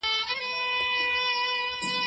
د ملوک الطوایفي نظام واکمني پای ته ورسیده.